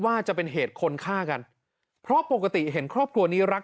ว่าจะเป็นเหตุคนฆ่ากันเพราะปกติเห็นครอบครัวนี้รัก